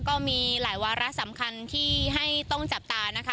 ก็มีหลายวาระสำคัญที่ให้ต้องจับตานะคะ